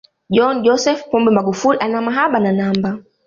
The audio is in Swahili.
John Joseph Pombe Magufuli ana mahaba na namba